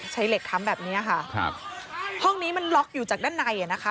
ใช้เหล็กค้ำแบบเนี้ยค่ะครับห้องนี้มันล็อกอยู่จากด้านในอ่ะนะคะ